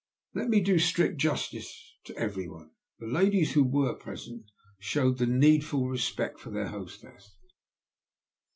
"Let me do strict justice to every one. The ladies who were present showed the needful respect for their hostess.